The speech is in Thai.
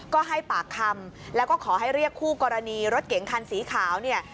ก็ให้ปากคำแล้วก็ขอให้เรียกคู่กรณีรถเก๋งคันสีขาวเนี่ย